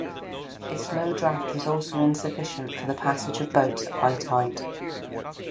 Its low draught was also insufficient for the passage of boats at high tide.